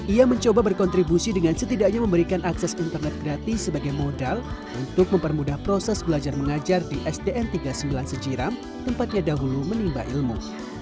ia mencoba berkontribusi dengan setidaknya memberikan akses internet gratis sebagai modal untuk mempermudah proses belajar mengajar di sdn tiga puluh sembilan sejiram tempatnya dahulu menimba ilmu